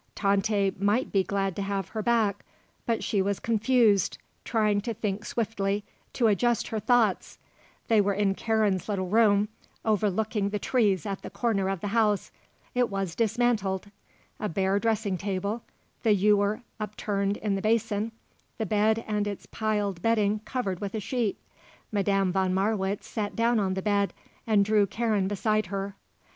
Tante might be glad to have her back; but she was confused, trying to think swiftly, to adjust her thoughts. They were in Karen's little room overlooking the trees at the corner of the house. It was dismantled; a bare dressing table, the ewer upturned in the basin, the bed and its piled bedding covered with a sheet. Madame von Marwitz sat down on the bed and drew Karen beside her.